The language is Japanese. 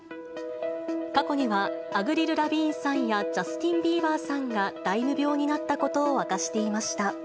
過去にはアヴリル・ラヴィーンさんやジャスティン・ビーバーさんがライム病になったことを明かしていました。